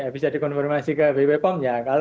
bisa dikonfirmasi ke bepom